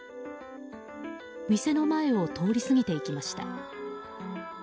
店の前を通り過ぎていきました。